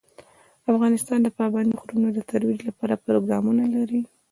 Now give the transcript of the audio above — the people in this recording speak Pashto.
افغانستان د پابندي غرونو د ترویج لپاره پروګرامونه لري.